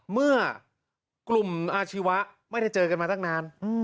เมื่อกลุ่มอาชีวะไม่ได้เจอกันมาตั้งนาน